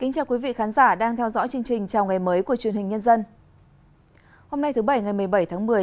chào mừng quý vị đến với bộ phim hãy nhớ like share và đăng ký kênh của chúng mình nhé